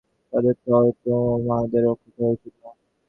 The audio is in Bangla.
তাদের তো তোমাদের রক্ষা করা উচিত, না?